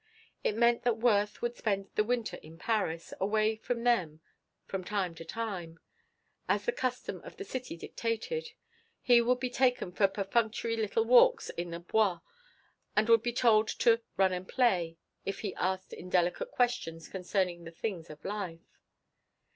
It meant that Worth would spend the winter in Paris, away from them; from time to time as the custom of the city dictated he would be taken for perfunctory little walks in the Bois and would be told to "run and play" if he asked indelicate questions concerning the things of life.